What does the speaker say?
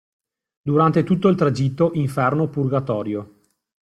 Durante tutto il tragitto inferno-purgatorio.